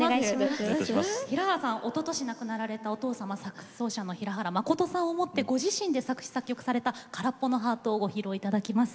平原さんにはおととし亡くなられたお父様サックス奏者の平原まことさんを思いご自身が作詞・作曲されました「からっぽのハート」を歌っていただきます。